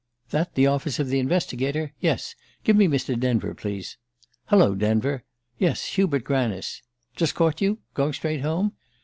"That the office of the Investigator? Yes? Give me Mr. Denver, please... Hallo, Denver... Yes, Hubert Granice. ... Just caught you? Going straight home?